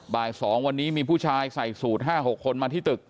บ่าย๒วันนี้มีผู้ชายใส่สูตร๕๖คนมาที่ตึก